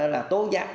là tối giác